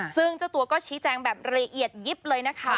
ซึ่งเจ้าตัวก็ชี้แจงแบบละเอียดยิบเลยนะคะ